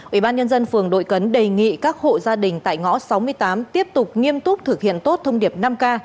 ủy ban nhân dân phường đội cấn đề nghị các hộ gia đình tại ngõ sáu mươi tám tiếp tục nghiêm túc thực hiện tốt thông điệp năm k